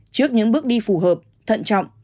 trước những bước đi phù hợp thận trọng